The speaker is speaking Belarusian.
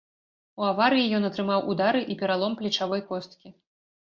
У аварыі ён атрымаў удары і пералом плечавой косткі.